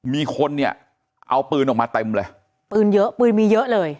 มีคนเนี่ยเอาปืนออกมาเต็มเลยปืนเยอะปืนมีเยอะเลย